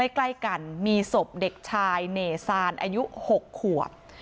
ใกล้กันมีศพเด็กชายเนซานอายุ๖ขวบ